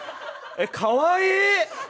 かわいい。